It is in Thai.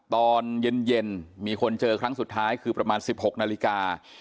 ตอนเย็นมีคนเจอครั้งสุดท้ายคือประมาณ๑๖นาฬิกา